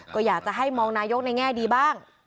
ก็อยากจะให้มองนายกในแง่ดีบ้าง